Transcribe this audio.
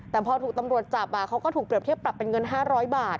แต่พอถูกตำรวจจับเขาก็ถูกเปรียบเทียบปรับเป็นเงิน๕๐๐บาท